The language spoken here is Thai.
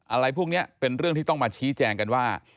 อะไรพวกนี้เป็นเรื่องที่ต้องมาชี้แจงกันว่า